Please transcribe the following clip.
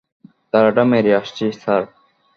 তালাটা মেরে আসছি, স্যার।